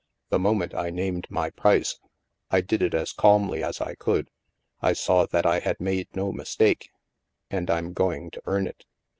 The moment I named my price — I did it as calmly as I could — I saw that I had made no mistake. And I'm going to earn it.